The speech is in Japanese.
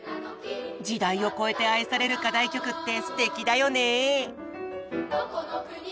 時代を超えて愛される課題曲ってすてきだよね！